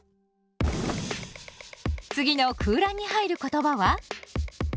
次の空欄に入る言葉は？